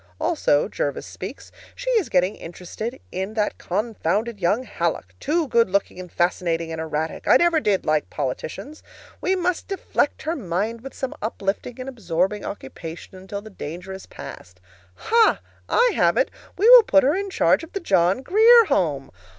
Also [Jervis speaks] she is getting interested in that confounded young Hallock, too good looking and fascinating and erratic; I never did like politicians. We must deflect her mind with some uplifting and absorbing occupation until the danger is past. Ha! I have it! We will put her in charge of the John Grier Home."